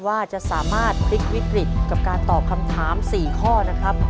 ว่าจะสามารถพลิกวิกฤตกับการตอบคำถาม๔ข้อนะครับ